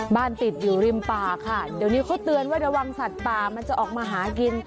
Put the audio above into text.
บ้านติดอยู่ริมป่าค่ะเดี๋ยวนี้เขาเตือนว่าระวังสัตว์ป่ามันจะออกมาหากิน